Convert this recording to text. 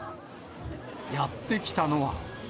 やって来たのは。